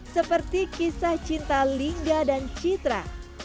seperti kisah cinta lingga dan citra